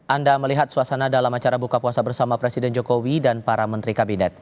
anda melihat suasana dalam acara buka puasa bersama presiden jokowi dan para menteri kabinet